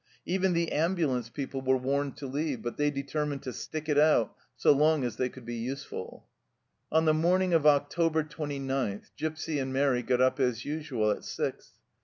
Even the ambulance people A HIDEOUS NIGHT DRIVE 97 were warned to leave, but they determined to " stick it out " so long as they could be useful. On the morning of October 29, Gipsy and Mairi got up as usual at six.